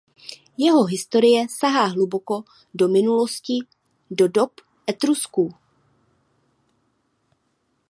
Jeho historie sahá hluboko do minulosti do dob Etrusků.